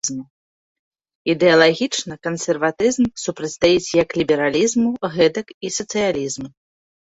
Ідэалагічна кансерватызм супрацьстаіць як лібералізму, гэтак і сацыялізму.